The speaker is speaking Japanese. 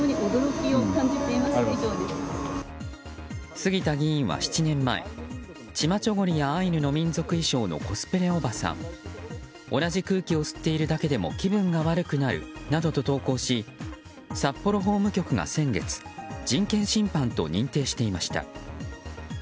杉田議員は７年前チマチョゴリやアイヌの民族衣装のコスプレおばさん同じ空気を吸っているだけでも気分が悪くなるなどと投稿し札幌法務局が先月人権侵犯と認定していました。